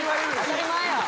当たり前や。